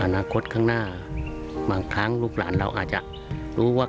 อนาคตข้างหน้าบางครั้งลูกหลานเราอาจจะรู้ว่า